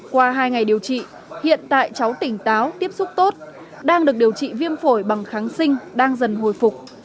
qua hai ngày điều trị hiện tại cháu tỉnh táo tiếp xúc tốt đang được điều trị viêm phổi bằng kháng sinh đang dần hồi phục